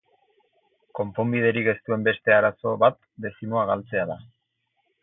Konponbiderik ez duen beste arazo bat dezimoa galtzea da.